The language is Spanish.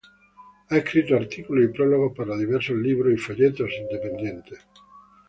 Ha escrito artículos y prólogos para diversos libros y folletos independientes.